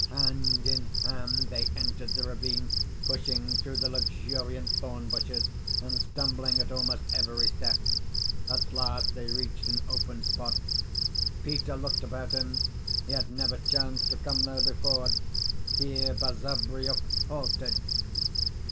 Hand in hand they entered the ravine, pushing through the luxuriant thorn bushes and stumbling at almost every step. At last they reached an open spot. Peter looked about him: he had never chanced to come there before. Here Basavriuk halted.